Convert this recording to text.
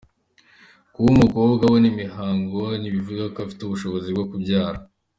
Kuba umukobwa abona imihango ntibivuga ko afite ubushobozi bwo kubyara.